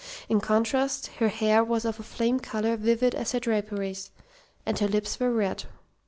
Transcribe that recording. In contrast, her hair was of a flame colour vivid as her draperies, and her lips were red.